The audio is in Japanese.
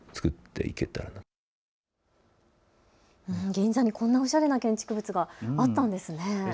銀座にこんなおしゃれな建築物があったんですね。